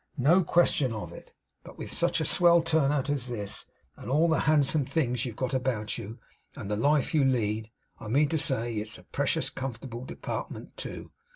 'No question of it. But with such a swell turnout as this, and all the handsome things you've got about you, and the life you lead, I mean to say it's a precious comfortable department too.